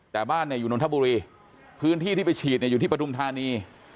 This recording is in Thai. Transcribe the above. แต่บ้านอยู่นนทบุรีพื้นที่ที่ไปฉีดอยู่ที่ปฐุมธานี